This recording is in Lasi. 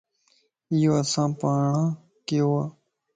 ايو اسان پاڻان ڪيووَ